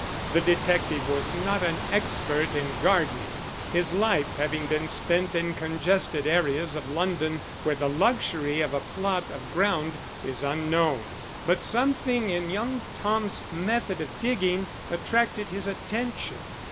The detective was not an expert in gardening, his life having been spent in congested areas of London where the luxury of a plot of ground is unknown, but something in young Tom's method of digging attracted his attention.